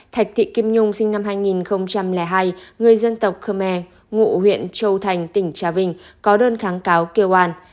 việc thị kim nhung sinh năm hai nghìn hai người dân tộc khmer ngụ huyện châu thành tỉnh trà vinh có đơn kháng cáo kêu an